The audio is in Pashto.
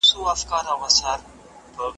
د کینز نظر هم تر یوه حده نیمګړی و.